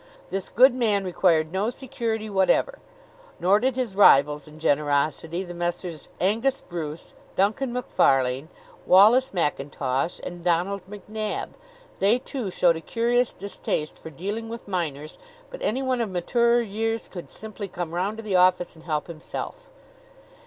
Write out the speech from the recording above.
This good man required no security whatever; nor did his rivals in generosity, the Messrs. Angus Bruce, Duncan Macfarlane, Wallace Mackintosh and Donald MacNab. They, too, showed a curious distaste for dealing with minors; but anyone of maturer years could simply come round to the office and help himself.